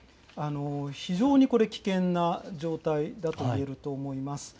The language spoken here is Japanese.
非常にこれ、危険な状態だといえると思います。